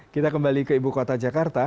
kita kembali ke ibu kota jakarta